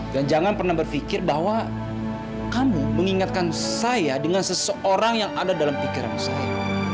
dan jangan pernah berpikir bahwa kamu mengingatkan saya dengan seseorang yang ada dalam pikiran saya